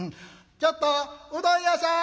ちょっとうどん屋さん！